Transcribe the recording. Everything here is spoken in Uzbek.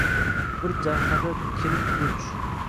Bir jabhada kelib duch